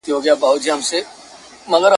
چي تر څو په دې وطن کي نوم د پیر وي `